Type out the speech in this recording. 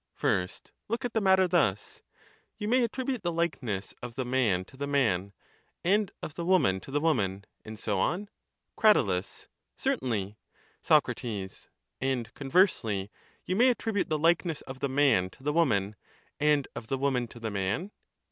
First look at the matter thus : you may attribute the likeness of the man to the man, and of the woman to the woman ; and so on? Crat. Certainly. Soc. And conversely you may attribute the likeness of the man to the woman, and of the woman to the man?